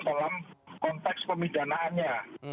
dalam konteks pemidanaannya